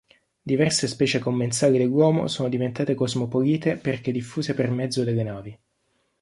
Diverse specie commensali dell'uomo sono diventate cosmopolite perché diffuse per mezzo delle navi.